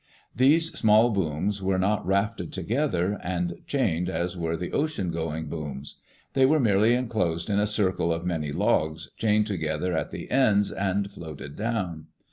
These small booms were not rafted together and chained as were the ocean going booms. They were merely enclosed in a circle of many logs, chained together at the ends, and floated down.